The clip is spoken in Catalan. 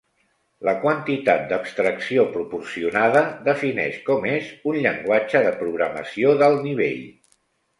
La quantitat d'abstracció proporcionada defineix com és un llenguatge de programació d'alt nivell.